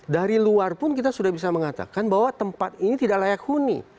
dari luar pun kita sudah bisa mengatakan bahwa tempat ini tidak layak huni